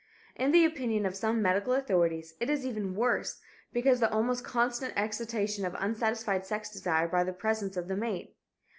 In the opinion of some medical authorities, it is even worse, because of the almost constant excitation of unsatisfied sex desire by the presence of the mate.